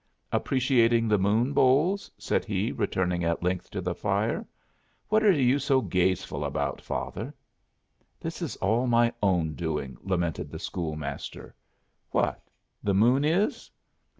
"Appreciating the moon, Bolles?" said he, returning at length to the fire. "What are you so gazeful about, father?" "This is all my own doing," lamented the school master. "What, the moon is?"